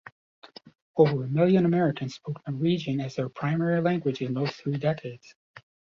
Over a million Americans spoke Norwegian as their primary language in those three decades.